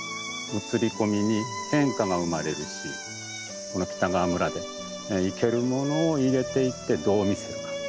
映り込みに変化が生まれるしこの北川村で生けるものを入れていってどう見せるか？